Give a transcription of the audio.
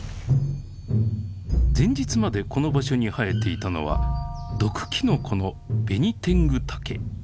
前日までこの場所に生えていたのは毒きのこのベニテングタケ。